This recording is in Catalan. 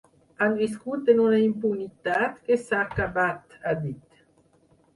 Han viscut en una impunitat que s’ha acabat, ha dit.